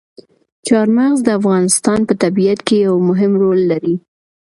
چار مغز د افغانستان په طبیعت کې یو مهم رول لري.